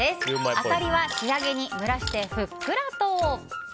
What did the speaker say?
アサリは仕上げに蒸らしてふっくらと！